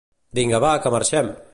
vinga va, que marxem!